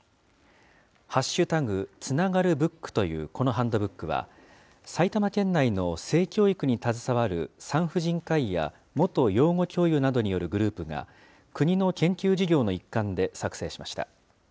つながるＢＯＯＫというこのハンドブックは、埼玉県内の性教育に携わる産婦人科医や元養護教諭などによるグループが、国の研究事業の一環で作成しました。